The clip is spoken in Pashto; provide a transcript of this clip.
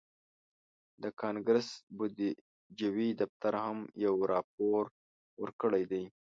د کانګرس بودیجوي دفتر هم یو راپور ورکړی دی